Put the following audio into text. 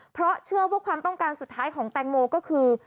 เพราะเชื่อว่าความต้องการสุดท้ายของแตงโมก็คือ